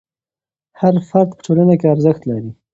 هر فرد په ټولنه کې ارزښت لري.